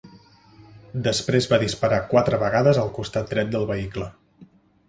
Després va disparar quatre vegades al costat dret del vehicle.